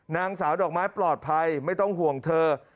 นางสาวดอกไม้ปลอดภัยไม่ต้องห่วงเธอ